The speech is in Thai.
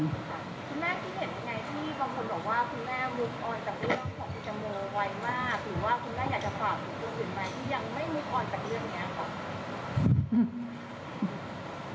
คุณแม่ก็จะเห็นอย่างไรที่บางคนบอกว่าคุณแม่มุกออน